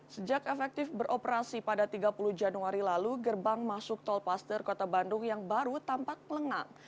sejak efektif beroperasi pada tiga puluh januari lalu gerbang masuk tol paster kota bandung yang baru tampak lengang